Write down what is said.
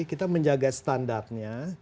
kita menjaga standarnya